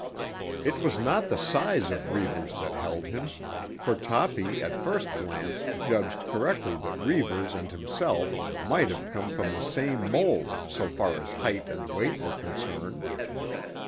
It was not the size of Reivers that held him, for Toppy at first glance judged correctly that Reivers and himself might have come from the same mold so far as height and weight were concerned.